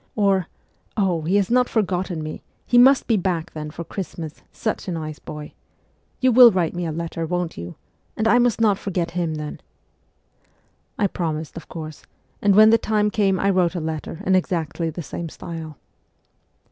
Or, ' Oh, he has not forgotten me ; he must be back, then, for Christmas ; such a nice boy. You will write me a letter, won't you ? and I must not forget him then.' I promised, of course, and when the time came I wrote a letter in exactly the same style.